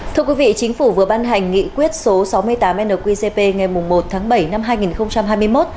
thưa quý vị chính phủ vừa ban hành nghị quyết số sáu mươi tám nqcp ngày một tháng bảy năm hai nghìn hai mươi một